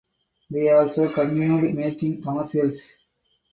They also continued making commercials.